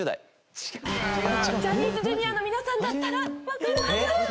ジャニーズＪｒ．の皆さんだったらわかるはず！